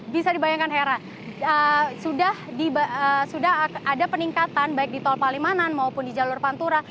bisa dibayangkan hera sudah ada peningkatan baik di tol palimanan maupun di jalur pantura